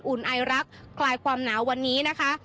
ไอรักษ์คลายความหนาววันนี้นะคะ